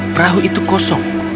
perahu itu kosong